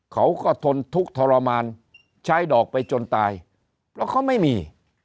เขาก็ทนทุกข์ทรมานใช้ดอกไปจนตายเพราะเขาไม่มี